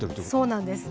そうなんです。